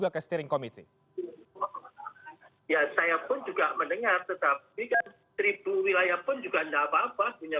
oke itu dinamik saja